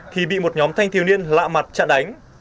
thì bị một nhóm thanh thiếu niên lạ mặt chặn đánh